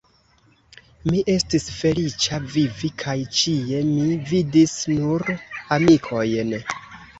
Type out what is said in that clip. Mi estis feliĉa vivi, kaj ĉie mi vidis nur amikojn.